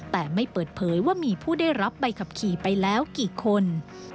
แต่ไม่เปิดเผยว่ามีผู้ได้รับใบขับขี่ไปแล้วกี่คน